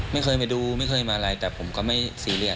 ไม่เคยมาดูไม่เคยมาอะไรแต่ผมก็ไม่ซีเรียส